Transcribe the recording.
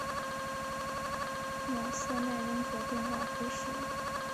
朗瑟奈人口变化图示